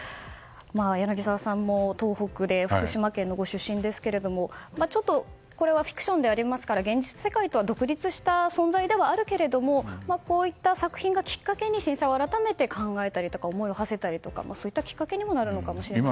柳澤さんも東北、福島県のご出身ですがこれはフィクションでありますから現実世界とは独立した存在ではあるけれどもこういった作品がきっかけに震災を改めて考えたりとか思いをはせたりとかそういったきっかけにもなったりするのかもしれませんね。